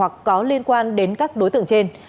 có liên quan đến các đối tượng trên